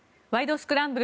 スクランブル」